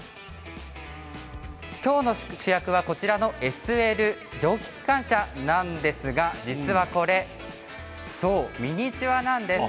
きょうの主役はこちらのＳＬ蒸気機関車なんですが実はこちらミニチュアなんです。